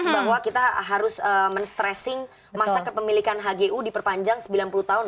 bahwa kita harus men stressing masa kepemilikan hgu diperpanjang sembilan puluh tahun